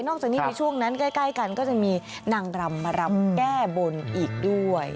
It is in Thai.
จากนี้ในช่วงนั้นใกล้กันก็จะมีนางรำมารำแก้บนอีกด้วย